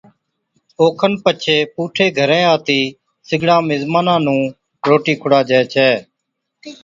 اوکن پڇي پُوٺَي گھرين آتِي سِگڙان مزمانا نُون روٽِي کُڙاجَي ڇَي